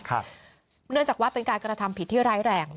เนื่องจากว่าเป็นการกระทำผิดที่ร้ายแรง